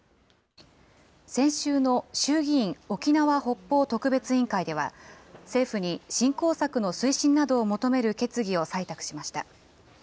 先週の衆議院沖縄北方特別委員会では、政府に振興策の推進などを求める決議を採択しました。